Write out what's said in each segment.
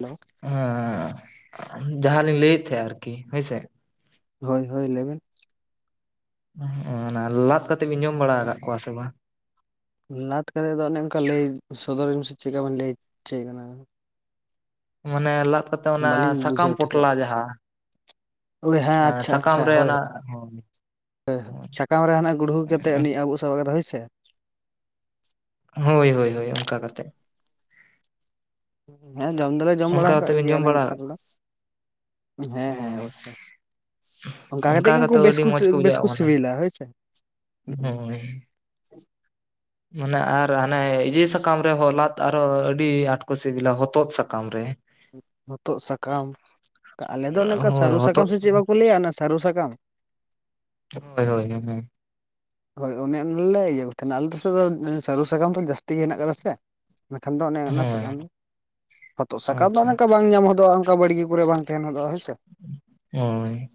Hello ᱦᱮ ᱡᱟᱦᱟᱸ ᱞᱤᱧ ᱞᱟᱹᱭᱮᱫ ᱛᱟᱦᱮᱸ ᱟᱨᱠᱤ ᱦᱳᱭᱥᱮ ᱦᱳᱭ ᱦᱳᱭ ᱞᱮᱭᱵᱤᱱ ᱚᱱᱟ ᱞᱟᱫ ᱠᱟᱛᱮ ᱵᱤᱱ ᱡᱚᱢ ᱵᱟᱲᱟ ᱟᱠᱟᱫ ᱠᱚᱣᱟ ᱥᱮ ᱵᱟᱝ ᱞᱟᱛ ᱠᱟᱛᱮᱫ ᱫᱚ ᱚᱱᱮ ᱚᱱᱠᱟ ᱞᱟᱹᱭ ᱥᱚᱫᱚᱨ ᱢᱮ ᱥᱮ ᱪᱮᱫᱠᱟᱵᱤᱱ ᱞᱟᱹᱭ ᱪᱚᱭᱮᱫ ᱠᱟᱱᱟ ᱢᱟᱱᱮ ᱞᱟᱫ ᱠᱟᱛᱮ ᱚᱱᱟ ᱵᱟᱹᱞᱤᱧ ᱥᱟᱠᱟᱢ ᱯᱚᱴᱞᱟ ᱡᱟᱦᱟᱸ ᱦᱳᱭ ᱦᱮᱸ ᱮᱸ ᱟᱪᱪᱷᱟ ᱥᱟᱠᱟᱢ ᱟᱪᱪᱷᱟ ᱨᱮ ᱦᱳᱭ ᱚᱱᱟ ᱦᱳᱭ ᱦᱮ ᱥᱟᱠᱟᱢ ᱨᱮ ᱦᱟᱱᱟᱜ ᱜᱩᱲᱦᱩ ᱠᱟᱛᱮ ᱩᱱᱤ ᱟᱹᱵᱩᱜ ᱥᱟᱵᱟ ᱠᱟᱫᱟ ᱦᱳᱭ ᱥᱮ ᱦᱳᱭ ᱦᱳᱭ ᱦᱳᱭ ᱚᱱᱠᱟ ᱠᱟᱛᱮ ᱦᱮᱸ ᱡᱚᱢ ᱫᱚᱞᱮ ᱡᱚᱢ ᱵᱟᱲᱟ ᱚᱱᱠᱟ ᱟᱠᱟᱜ ᱠᱟᱛᱮᱜ ᱵᱤᱱ ᱡᱚᱢ ᱜᱮᱭᱟᱞᱮ ᱵᱟᱲᱟ ᱚᱱᱠᱟ ᱨᱮᱫᱚ ᱦᱮᱸ ᱦᱮᱸ ᱦᱳᱭ ᱚᱵᱚᱥᱥᱚᱭ ᱚᱱᱠᱟ ᱠᱟᱛᱮᱫ ᱜᱮ ᱩᱱᱠᱩ ᱠᱟᱛᱮᱜ ᱟᱹᱰᱤ ᱢᱚᱸᱡᱽ ᱵᱮᱥ ᱵᱩᱡᱷᱟᱹᱜᱼᱟ ᱠᱚ ᱢᱟᱱᱮ ᱥᱤᱵᱤᱞᱟ ᱦᱳᱭᱥᱮ ᱦᱩᱸᱜ ᱩ ᱦᱳᱭ ᱢᱟᱱᱮ ᱟᱨ ᱦᱟᱱᱮ ᱤᱡᱮ ᱥᱟᱠᱟᱢ ᱨᱮᱦᱚᱸ ᱞᱟᱫ ᱟᱨᱦᱚᱸ ᱟᱹᱰᱤ ᱟᱸᱴᱠᱚ ᱥᱤᱵᱤᱞᱟ ᱦᱚᱛᱚᱫ ᱥᱟᱠᱟᱢ ᱨᱮ ᱦᱚᱛᱚᱫ ᱥᱟᱠᱟᱢ ᱟᱞᱮ ᱫᱚ ᱚᱱᱮᱝᱠᱟ ᱦᱳᱭ ᱥᱟᱹᱨᱩ ᱥᱟᱠᱟᱢ ᱦᱚᱛᱚᱫ ᱥᱮ ᱪᱮᱫ ᱵᱟᱠᱚ ᱞᱟᱹᱭᱟ ᱚᱱᱟ ᱥᱟᱹᱨᱩ ᱥᱟᱠᱟᱢ ᱦᱳᱭ ᱦᱳᱭ ᱦᱳᱭ ᱦᱳᱭ ᱦᱳᱭ ᱚᱱᱮ ᱚᱱᱟ ᱞᱮ ᱤᱭᱟᱹ ᱠᱚ ᱛᱟᱦᱮᱸᱱᱟ ᱟᱞᱮᱥᱮᱫ ᱫᱚ ᱥᱟᱹᱨᱩ ᱥᱟᱠᱟᱢ ᱫᱚ ᱡᱟᱹᱥᱛᱤ ᱜᱮ ᱦᱮᱱᱟᱜ ᱟᱠᱟᱫᱟ ᱥᱮ ᱢᱮᱱᱠᱷᱟᱱ ᱫᱚ ᱚᱱᱮ ᱚᱱᱟ ᱦᱳᱭ ᱥᱟᱠᱟᱢ ᱦᱚᱛᱚᱫ ᱥᱟᱠᱟᱢ ᱫᱚ ᱟᱪᱪᱷᱟ ᱚᱱᱠᱟ ᱵᱟᱝ ᱧᱟᱢ ᱦᱚᱫᱚᱜᱼᱟ ᱚᱱᱠᱟ ᱵᱟᱲᱜᱮ ᱠᱚᱨᱮ ᱵᱟᱝ ᱛᱟᱦᱮᱸᱱ ᱦᱚᱫᱟᱜ-ᱟ ᱦᱮᱸ ᱥᱮ ᱦᱳᱭ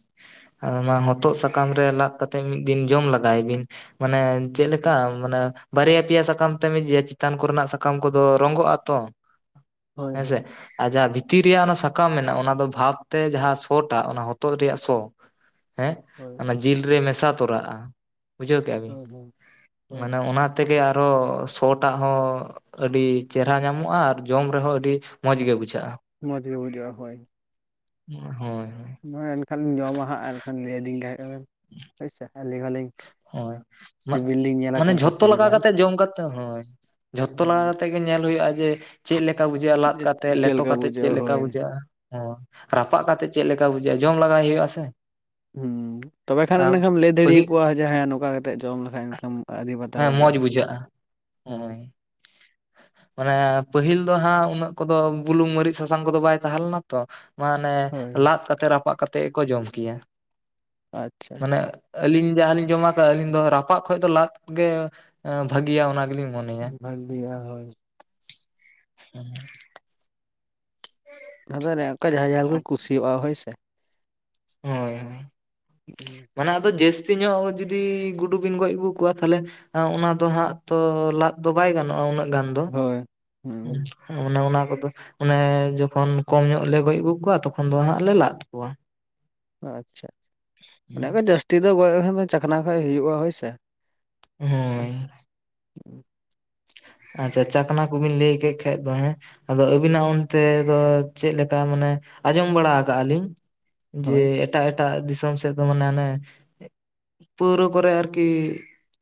ᱟ ᱚᱱᱟ ᱦᱚᱛᱚᱫ ᱥᱟᱠᱟᱢ ᱨᱮ ᱞᱟᱫ ᱠᱟᱛᱮᱜ ᱢᱤᱫ ᱫᱤᱱ ᱡᱚᱢ ᱞᱟᱜᱟᱭ ᱵᱤᱱ ᱢᱟᱱᱮ, ᱪᱮᱫ ᱞᱮᱠᱟ ᱢᱟᱱᱮ ᱵᱟᱨᱭᱟ ᱯᱮᱭᱟ ᱥᱟᱠᱟᱢ ᱛᱮᱢ ᱤᱫᱤᱭᱟ ᱪᱮᱛᱟᱱ ᱠᱚᱨᱮᱱᱟᱜ ᱥᱟᱠᱟᱢ ᱠᱚᱫᱚ ᱨᱚᱝᱜᱚᱜ ᱟ ᱛᱚ ᱦᱳᱭ ᱦᱳᱭ ᱦᱮᱸᱥᱮ ᱟᱨ ᱡᱟᱦᱟᱸ ᱵᱷᱤᱛᱤᱨ ᱨᱮᱭᱟᱜ ᱚᱱᱟ ᱥᱟᱠᱟᱢ ᱢᱮᱱᱟᱜᱼᱟ ᱚᱱᱟ ᱫᱚ ᱵᱷᱟᱵᱽ ᱛᱮ ᱡᱟᱦᱟᱸ ᱥᱚᱴᱟ ᱚᱱᱟ ᱦᱚᱛᱚᱫ ᱨᱮᱭᱟᱜ ᱥᱚ ᱦᱮᱸ ᱦᱳᱭ ᱚᱱᱟ ᱡᱤᱞ ᱨᱮ ᱢᱮᱥᱟ ᱛᱚᱨᱟᱜᱼᱟ᱾ ᱵᱩᱡᱷᱟᱹᱣ ᱠᱮᱫᱼᱟ ᱵᱤᱱ ᱦᱳᱭ ᱦᱳᱭ ᱦᱳᱭ ᱢᱟᱱᱮ ᱚᱱᱟ ᱛᱮᱜᱮ ᱟᱨᱚ ᱥᱚᱴᱟᱜ ᱦᱚᱸ ᱟᱹᱰᱤ ᱪᱮᱨᱦᱟ ᱧᱟᱢᱚᱜᱼᱟ ᱟᱨ ᱡᱚᱢ ᱨᱮᱦᱚᱸ ᱟᱹᱰᱤ ᱢᱚᱸᱡᱽ ᱜᱮ ᱵᱩᱡᱷᱟᱹᱜᱼᱟ᱾ ᱢᱚᱸᱡᱽ ᱜᱮ ᱵᱩᱡᱷᱟᱹᱜᱼᱟ ᱦᱳᱭ᱾ ᱦᱳᱭ ᱦᱳᱭ ᱱᱚᱜᱼᱚᱭ ᱮᱱᱠᱷᱟᱱᱤᱧ ᱡᱚᱢᱟ ᱦᱟᱸᱜ ᱮᱱᱠᱷᱟᱱ ᱞᱟᱹᱭᱟᱞᱤᱧ ᱠᱷᱟᱱᱮᱢ ᱦᱳᱭᱥᱮ ᱟᱹᱞᱤᱧ ᱦᱚᱸᱞᱤᱧ ᱦᱳᱭ ᱥᱤᱵᱤᱞ [unintelligible] ᱞᱤᱧ ᱧᱮᱞᱟ ᱢᱟᱱᱮ ᱪᱮᱫ ᱞᱮᱠᱟ ᱡᱷᱚᱛᱚ ᱞᱟᱜᱟᱣ ᱥᱤᱵᱤᱞᱟ ᱦᱳᱭᱥᱮ ᱠᱟᱛᱮᱜ ᱡᱚᱢ ᱠᱟᱛᱮ ᱦᱳᱭ ᱡᱷᱚᱛᱚ ᱞᱟᱜᱟᱣ ᱠᱟᱛᱮᱜ ᱜᱮ ᱧᱮᱞ ᱦᱩᱭᱩᱜᱼᱟ ᱡᱮ ᱪᱮᱫ ᱞᱮᱠᱟ ᱵᱩᱡᱷᱟᱹᱜᱼᱟ ᱞᱟᱫ ᱠᱟᱛᱮᱫ, ᱪᱮᱫ ᱞᱮᱴᱚ ᱞᱮᱠᱟ ᱠᱟᱛᱮᱫ ᱪᱮᱫ ᱵᱩᱡᱷᱟᱹᱜᱼᱟ ᱞᱮᱠᱟ ᱦᱳᱭ ᱵᱩᱡᱷᱟᱹᱜᱼᱟ᱾ ᱚ ᱨᱟᱯᱟᱜ ᱠᱟᱛᱮᱜ ᱪᱮᱫ ᱞᱮᱠᱟ ᱵᱩᱡᱷᱟᱹᱜᱼᱟ᱾ ᱡᱚᱢ ᱞᱟᱜᱟᱭ ᱦᱩᱭᱩᱜᱼᱟ ᱥᱮ᱾ ᱦᱩᱸ ᱛᱚᱵᱮ ᱟᱨ ᱠᱷᱟᱱ ᱮᱠᱷᱟᱱᱢ ᱞᱟᱹᱭ ᱯᱟᱹᱦᱤᱞ ᱫᱟᱲᱮᱭᱟᱠᱩᱣᱟ ᱡᱮ ᱦᱮᱸ ᱱᱚᱝᱠᱟ ᱠᱟᱛᱮᱜ ᱡᱚᱢ ᱞᱮ ᱵᱟᱠᱷᱟᱡ ᱮᱱᱠᱷᱟᱱ ᱟᱹᱰᱤ ᱵᱟᱛᱟᱨ ᱦᱮᱸ ᱵᱩᱡᱩᱜᱼᱟ ᱢᱚᱸᱡᱽ ᱵᱩᱡᱷᱟᱹᱜᱼᱟ ᱦᱳᱭ᱾ ᱢᱟᱱᱮ ᱯᱟᱹᱦᱤᱞ ᱫᱚ ᱦᱟᱸᱜ ᱩᱱᱟᱹᱜ ᱠᱚᱫᱚ ᱵᱩᱞᱩᱝ ᱢᱟᱹᱨᱤᱪ ᱥᱟᱥᱟᱝ ᱠᱚᱫᱚ ᱵᱟᱭ ᱛᱟᱦᱮᱸ ᱞᱮᱱᱟ ᱛᱚ, ᱢᱟᱱᱮ ᱦᱳᱭ ᱞᱟᱫ ᱠᱟᱛᱮᱜ ᱨᱟᱯᱟᱜ ᱠᱟᱛᱮᱜ ᱠᱚ ᱡᱚᱢ ᱠᱮᱭᱟ᱾ ᱟᱪᱪᱷᱟ ᱢᱟᱱᱮ ᱟᱹᱞᱤᱧ ᱡᱟᱦᱟᱸ ᱞᱤᱧ ᱡᱚᱢᱟ ᱠᱟᱜ ᱟᱹᱞᱤᱧ ᱫᱚ ᱨᱟᱯᱟᱜ ᱠᱷᱚᱡ ᱫᱚ ᱞᱟᱫ ᱜᱮ ᱵᱷᱟᱹᱜᱤᱭᱟ᱾ ᱚᱱᱟ ᱜᱮᱞᱤᱧ ᱢᱚᱱᱮ ᱵᱷᱟᱹᱜᱤᱭᱟ ᱦᱳᱭ ᱦᱩᱸ ᱟᱫᱚ ᱚᱱᱮ ᱚᱱᱠᱟ ᱡᱟᱦᱟᱸ ᱡᱟᱦᱟᱸ ᱦᱳᱭ ᱜᱮᱠᱚ ᱠᱩᱥᱤᱭᱟᱜᱼᱟ ᱦᱳᱭ ᱥᱮ᱾ ᱦᱳᱭ ᱦᱳᱭ ᱦᱩᱸ ᱢᱟᱱᱮ ᱟᱫᱚ ᱡᱟᱹᱥᱛᱤ ᱧᱚᱜ ᱡᱩᱫᱤ ᱜᱩᱰᱩᱵᱤᱱ ᱜᱚᱡ ᱟᱹᱜᱩ ᱠᱚᱣᱟ ᱛᱟᱦᱚᱞᱮ, ᱚᱱᱟ ᱫᱚ ᱦᱟᱸᱜ ᱛᱚ ᱞᱟᱫ ᱫᱚ ᱵᱟᱭ ᱜᱟᱱᱚᱜᱼᱟ ᱩᱱᱟᱹᱜ ᱜᱟᱱ ᱫᱚ ᱦᱳᱭ ᱦᱩᱸ [unintelligible] ᱚᱱᱮ ᱚᱱᱟ ᱠᱚᱫᱚ ᱚᱱᱮ ᱡᱚᱠᱷᱚᱱ ᱠᱚᱢ ᱧᱚᱜ ᱞᱮ ᱜᱚᱡ ᱟᱹᱜᱩ ᱠᱚᱣᱟ᱾ ᱛᱚᱠᱷᱚᱱ ᱫᱚ ᱦᱟᱸᱜ ᱞᱮ ᱞᱟᱫ ᱠᱚᱣᱟ ᱾ ᱟᱪᱪᱷᱟ ᱚᱱᱮ ᱠᱚ ᱡᱟᱹᱥᱛᱤ ᱫᱚ [unintelligible] ᱪᱟᱠᱷᱱᱟ ᱠᱷᱚᱡ ᱦᱩᱭᱩᱜᱼᱟ ᱦᱳᱭ ᱥᱮ᱾ ᱦᱳᱭ ᱟᱪᱪᱷᱟ ᱪᱟᱠᱱᱟ ᱠᱚᱵᱤᱱ ᱞᱟᱹᱭ ᱠᱮᱫ ᱠᱷᱟᱡ ᱫᱚ ᱦᱮᱸ ᱟᱫᱚ ᱟᱹᱵᱤᱱᱟᱜ ᱚᱱᱛᱮ ᱫᱚ ᱪᱮᱫ ᱞᱮᱠᱟ ᱢᱟᱱᱮ ᱟᱸᱡᱚᱢ ᱵᱟᱲᱟ ᱠᱟᱜᱼᱟ ᱞᱤᱧ, ᱡᱮ ᱦᱳᱭ ᱮᱴᱟᱜ ᱮᱴᱟᱜ ᱫᱤᱥᱚᱢ ᱥᱮᱫ ᱫᱚ ᱢᱟᱱᱮ ᱚᱱᱮ ᱯᱟᱹᱣᱨᱟᱹ ᱠᱚᱨᱮ ᱟᱨᱠᱤ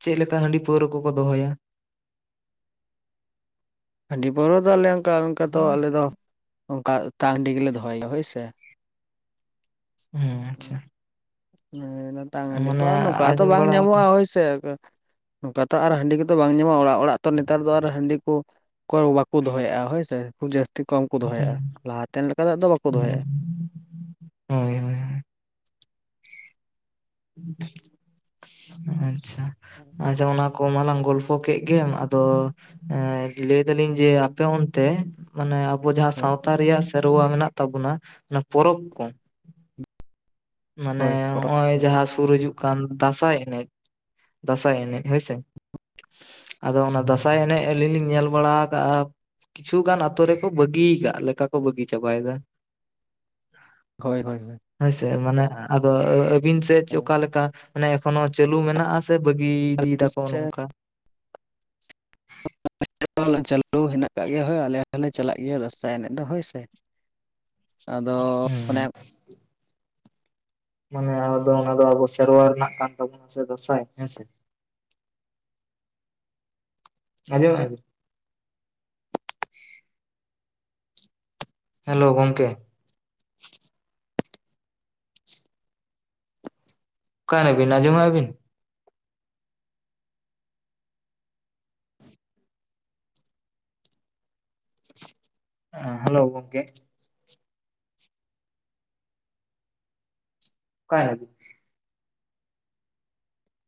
ᱪᱮᱫ ᱞᱮᱠᱟ ᱦᱟᱺᱰᱤ ᱯᱟᱹᱣᱨᱟᱹ ᱠᱚᱠᱚ ᱫᱚᱦᱚᱭᱟ ᱾ ᱦᱟᱺᱰᱤ ᱯᱟᱹᱣᱨᱟᱹ ᱫᱚ ᱟᱞᱮ ᱚᱱᱠᱟ ᱚᱱᱠᱟ ᱫᱚ ᱟᱞᱮ ᱫᱚ ᱚᱱᱠᱟ ᱛᱟᱝ ᱦᱟᱺᱰᱤ ᱜᱮᱞᱮ ᱫᱚᱦᱚᱭᱟ ᱦᱳᱭ ᱥᱮ᱾ ᱦᱮᱸ ᱟᱪᱪᱷᱟ ᱦᱮᱸᱴᱟᱝ ᱦᱟᱺᱰᱤ ᱠᱚ ᱢᱟᱱᱮ ᱟᱨ ᱱᱚᱝᱠᱟᱛᱚ ᱟᱸᱡᱚᱢ ᱵᱟᱝ ᱵᱟᱲᱟ ᱟᱠᱟᱫ ᱧᱟᱢᱚᱜᱼᱟ ᱦᱳᱭᱥᱮ, ᱱᱚᱝᱠᱟ ᱛᱚ ᱟᱨ ᱦᱟᱺᱰᱤ ᱠᱚᱫᱚ ᱵᱟᱝ ᱧᱟᱢᱚᱜᱼᱟ᱾ ᱚᱲᱟᱜ ᱚᱲᱟᱜ ᱛᱚ ᱱᱮᱛᱟᱨ ᱫᱚ ᱟᱨ ᱦᱟᱺᱰᱤ ᱠᱚ ᱠᱚᱭ ᱵᱟᱠᱚ ᱫᱚᱦᱚᱭᱮᱫᱼᱟ᱾ ᱦᱳᱭᱥᱮ ᱠᱷᱩᱵᱽ ᱡᱟᱹᱥᱛᱤ ᱠᱚᱢ ᱠᱚ ᱫᱚᱦᱚᱭᱮᱫᱼᱟ᱾ ᱦᱮᱸ ᱞᱟᱦᱟᱛᱮᱱ ᱞᱮᱠᱟᱱᱟᱜ ᱫᱚ ᱵᱟᱠᱚ ᱦᱮᱸ ᱫᱚᱦᱚᱭᱮᱫᱼᱟ᱾ ᱦᱳᱭ ᱦᱳᱭ ᱟᱪᱪᱷᱟ ᱟᱪᱪ ᱚᱱᱟ ᱠᱚ ᱢᱟ ᱞᱟᱝ ᱜᱚᱞᱯᱷᱚ ᱠᱮᱫ ᱜᱮᱢ ᱟᱫᱚ ᱮ ᱞᱟᱹᱭ ᱫᱟᱞᱤᱧ ᱡᱮ ᱟᱯᱮ ᱚᱱᱛᱮ ᱢᱟᱱᱮ ᱟᱵᱚ ᱡᱟᱦᱟᱸ ᱦᱳᱭ ᱥᱟᱶᱛᱟ ᱨᱮᱭᱟᱜ ᱥᱮᱨᱣᱟ ᱢᱮᱱᱟᱜ ᱛᱟᱵᱚᱱᱟ᱾ ᱚᱱᱟ ᱯᱚᱨᱚᱵᱽ ᱠᱚ ᱢᱟᱱᱮ ᱦᱳᱭ ᱱᱚᱜ ᱯᱚᱨᱚᱵᱽ ᱚᱭ ᱡᱟᱦᱟᱸ ᱥᱩᱨ ᱦᱤᱡᱩᱜ ᱠᱟᱱ ᱫᱟᱸᱥᱟᱭ ᱮᱱᱮᱡ ᱫᱟᱸᱥᱟᱭ ᱮᱱᱮᱡ ᱦᱳᱭᱥᱮ᱾ ᱟᱫᱚ ᱚᱱᱟ ᱫᱟᱸᱥᱟᱭ ᱮᱱᱮᱡ ᱟᱹᱞᱤᱧ ᱞᱤᱧ ᱧᱮᱞ ᱵᱟᱲᱟ ᱟᱠᱟᱜᱼᱟ ᱾ ᱠᱤᱪᱷᱩᱜᱟᱱ ᱟᱛᱳ ᱨᱮᱠᱚ ᱵᱟᱹᱜᱤ ᱟᱠᱟᱜ ᱞᱮᱠᱟ ᱠᱚ ᱵᱟᱹᱜᱤ ᱪᱟᱵᱟᱭᱮᱫᱟ ᱾ ᱦᱳᱭ ᱦᱳᱭ ᱦᱳᱭ ᱦᱳᱭᱥᱮ ᱢᱟᱱᱮ ᱟᱫᱚ ᱟᱹᱵᱤᱱ ᱥᱮᱫ ᱪᱮᱫ ᱚᱠᱟ ᱞᱮᱠᱟ? ᱢᱟᱱᱮ ᱮᱠᱷᱚᱱᱚ ᱪᱟᱹᱞᱩ ᱢᱮᱱᱟᱜᱼᱟ ᱥᱮ ᱵᱟᱹᱜᱤ ᱟᱞᱮ ᱤᱫᱤᱭ ᱫᱟᱠᱚ ᱥᱮᱫ ᱱᱚᱝᱠᱟ᱾ [unintelligible] ᱪᱟᱹᱞᱩ ᱦᱮᱱᱟᱜ ᱠᱟᱜ ᱜᱮᱭᱟ ᱦᱳᱭ ᱟᱞᱮ ᱦᱚᱸᱞᱮ ᱪᱟᱞᱟᱜ ᱜᱮᱭᱟ ᱫᱟᱸᱥᱟᱭ ᱮᱱᱮᱡ ᱫᱚ ᱦᱳᱭ ᱥᱮ᱾ ᱟᱫᱚ ᱦᱮᱸ ᱚᱱᱮ ᱢᱟᱱᱮ ᱟᱫᱚ ᱚᱱᱟ ᱫᱚ ᱟᱵᱚ ᱥᱮᱨᱣᱟ ᱨᱮᱱᱟᱜ ᱠᱟᱱ ᱛᱟᱵᱚᱱᱟ ᱥᱮ ᱫᱟᱸᱥᱟᱭ ᱦᱮᱸᱥᱮ᱾ ᱟᱸᱡᱚᱢᱮᱫᱼᱟ ᱵᱮᱱ ᱦᱮᱞᱳ ᱜᱚᱢᱠᱮ ᱚᱠᱟᱭᱮᱱᱟ ᱵᱤᱱ ᱟᱸᱡᱚᱢᱮᱫᱟ ᱵᱤᱱ ᱦᱮᱸ ᱦᱮᱞᱳ ᱜᱚᱢᱠᱮ ᱚᱠᱟᱭᱮᱱᱟ ᱵᱤᱱ